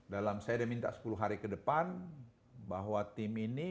dalam saya sudah minta sepuluh hari ke depan bahwa tim ini